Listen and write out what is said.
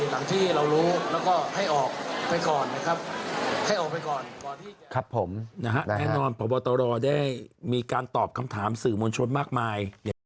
หลังที่เรารู้แล้วก็ให้ออกไปก่อนนะครับ